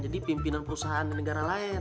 jadi pimpinan perusahaan di negara lain